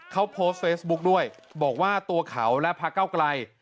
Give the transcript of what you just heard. เขาโพสต์เฟซบุ๊กด้วยบอกว่าตัวเขาและพระเก้าไกล